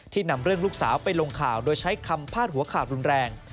นำเรื่องลูกสาวไปลงข่าวโดยใช้คำพาดหัวข่าวรุนแรง